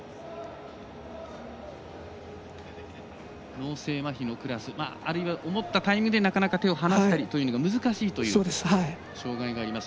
脳性まひのクラス。あるいは思ったタイミングでなかなか手を離したりというのが難しいという障害があります。